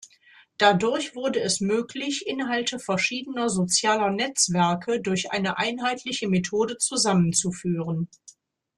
Dadurch wurde es möglich, Inhalte verschiedener sozialer Netzwerke durch eine einheitliche Methode zusammenzuführen.